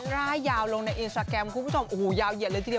รายการนี้มันสนุกมากจริง